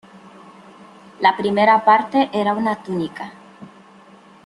La primera parte era una túnica.